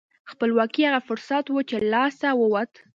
خپلواکي هغه فرصت و چې له لاسه ووت.